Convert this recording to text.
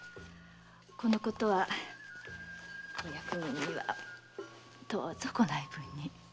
このことはお役人にはどうぞご内聞に。